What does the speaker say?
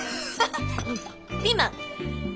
ピーマン？